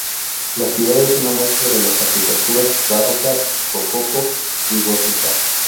La ciudad es una muestra de las arquitecturas Barroca, Rococó y Gótica.